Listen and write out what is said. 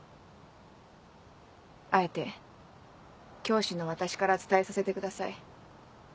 あえて教師の私から伝えさせてください。